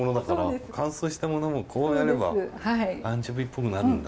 乾燥したものもこうやればアンチョビっぽくなるんだ。